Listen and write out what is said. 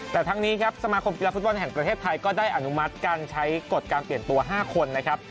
แต่ทั้งนี้ครับสมาคมกีฬาฟุตบอลแห่งประเทศไทยก็ได้อนุมัติการใช้กฎการเปลี่ยนตัว๕คนนะครับ